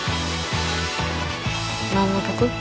何の曲？